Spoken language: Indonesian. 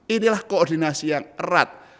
inilah koordinasi yang erat